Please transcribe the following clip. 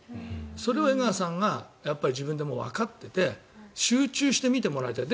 それを江川さんが自分でわかってて集中して見てもらいたい。